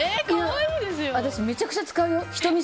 私めちゃくちゃ使うよひとみ